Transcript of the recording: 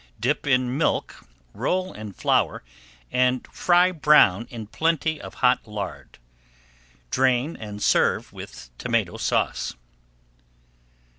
Dip in milk, roll in flour, and fry brown in plenty of hot lard. Drain and serve with Tomato Sauce.